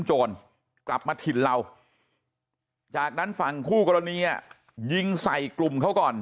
โจรกลับมาถิ่นเราจากนั้นฝั่งคู่กรณียิงใส่กลุ่มเขาก่อน